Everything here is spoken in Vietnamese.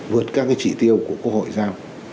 vượt các chỉ tiêu của quốc hội ra